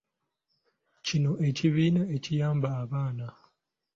Kino ekibiina ekiyamba abaana.